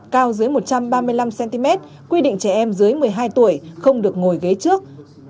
cao dưới một trăm ba mươi năm cm quy định trẻ em dưới một mươi hai tuổi không được ngồi ghế trước